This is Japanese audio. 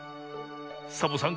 サボさん